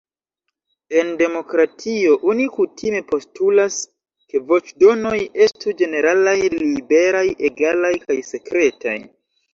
En demokratio, oni kutime postulas ke voĉdonoj estu ĝeneralaj, liberaj, egalaj kaj sekretaj.